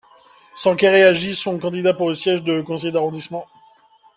Sanquer et Agie sont candidats pour le siège de conseiller d'arrondissement.